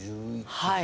はい。